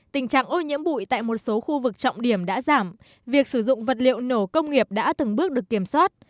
tình trạng ô nhiễm bụi tại một số khu vực trọng điểm đã giảm việc sử dụng vật liệu nổ công nghiệp đã từng bước được kiểm soát